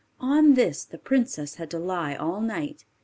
On this the princess had to lie all night.